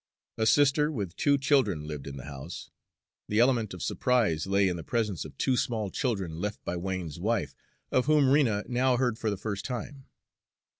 A sister with two children lived in the house. The element of surprise lay in the presence of two small children left by Wain's wife, of whom Rena now heard for the first time.